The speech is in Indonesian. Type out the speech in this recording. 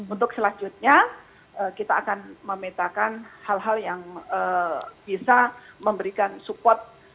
untuk selanjutnya kita akan memetakan hal hal yang bisa memberikan support